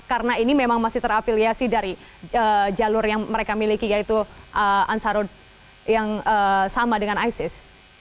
karena ini memang masih terafiliasi dari jalur yang mereka miliki yaitu ansarut yang sama dengan isis